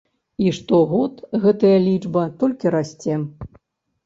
І штогод гэтая лічба толькі расце.